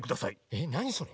えっなにそれ。